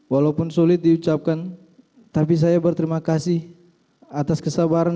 walaupun sulit diucapkan tapi saya berterima kasih atas kesabaran